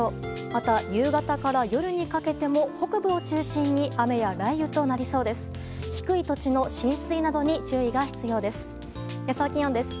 また、夕方から夜にかけても北部を中心に雨や雷雨となりそうです。